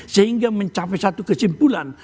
sehingga mencapai satu kesimpulan